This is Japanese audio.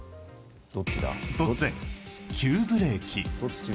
突然、急ブレーキ。